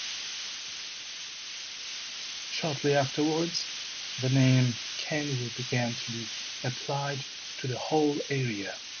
Shortly afterwards, the name Kenwood began to be applied to the whole area.